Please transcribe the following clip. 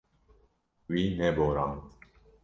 Wî neborand.